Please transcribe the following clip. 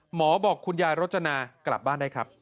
บอกคุณยายรจนากลับบ้านได้ครับ